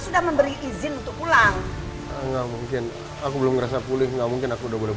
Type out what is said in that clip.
sudah memberi izin untuk pulang enggak mungkin aku belum ngerasa pulih nggak mungkin aku udah boleh